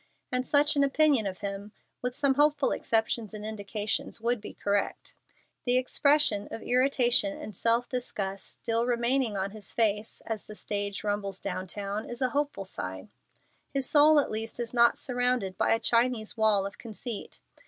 And such an opinion of him, with some hopeful exceptions and indications, would be correct. The expression of irritation and self disgust still remaining on his face as the stage rumbles down town is a hopeful sign. His soul at least is not surrounded by a Chinese wall of conceit.